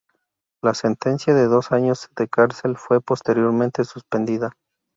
La sentencia, de dos años de cárcel, fue posteriormente suspendida.